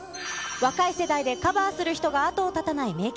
若い世代でカバーする人が後を絶たない名曲。